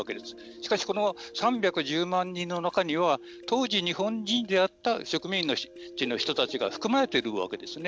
しかし、この３１０万人の中には当時、日本人であった植民地の人が含まれているわけですね。